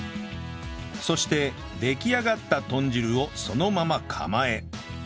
そして出来上がった豚汁をそのまま釜へ